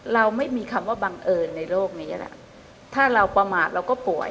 เราไม่มีคำว่าบังเอิญในโลกนี้แหละถ้าเราประมาทเราก็ป่วย